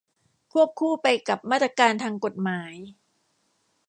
ควบคู่ไปกับมาตรการทางกฎหมาย